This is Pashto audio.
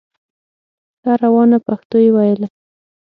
ښه روانه پښتو یې ویله